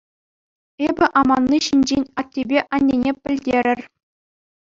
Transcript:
Эпӗ аманни ҫинчен аттепе аннене пӗлтерӗр.